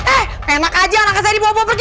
eh enak aja anak saya dibawa bawa pergi